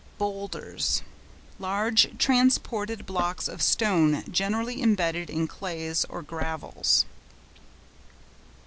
BOULDERS.—Large transported blocks of stone generally embedded in clays or gravels.